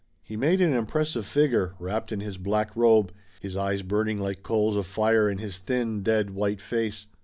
He made an impressive figure, wrapped in his black robe, his eyes burning like coals of fire in his thin, dead white face.